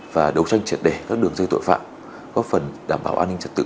và đấu tranh triệt đẻ các đường dây tội phạm góp phần đảm bảo an ninh trật tự